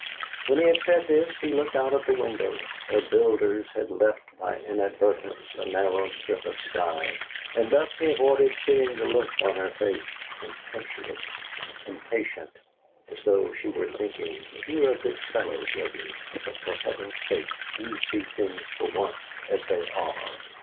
When he had said this he looked out of the window, where builders had left by inadvertence a narrow strip of sky. And thus he avoided seeing the look on her face, contemptuous, impatient, as though she were thinking: 'You are a good fellow, Gregory, but for Heaven's sake do see things for once as they are!